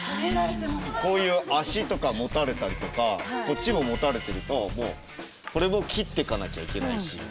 こういう足とか持たれたりとかこっちも持たれてるとこれも切ってかなきゃいけないし。